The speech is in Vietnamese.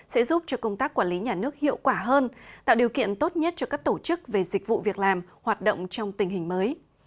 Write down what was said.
sẽ giúp cho công tác quản lý nhà nước hiệu quả hơn tạo điều kiện tốt nhất cho các tổ chức về dịch vụ việc làm hoạt động trong tình hình mới